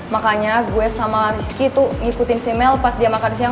makanya gue sama rizky tuh ngikutin si mel pas dia makan siang sama